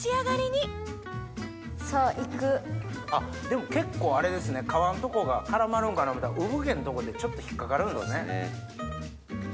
でも結構あれですね皮のとこが絡まるんかな思ったら産毛のとこでちょっと引っ掛かるんですね。